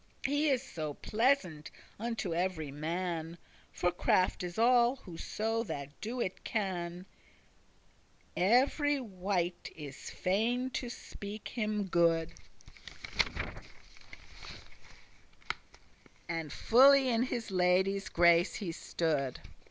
<21> He is so pleasant unto every man (For craft is all, whoso that do it can), Every wight is fain to speak him good; And fully in his lady's grace he stood.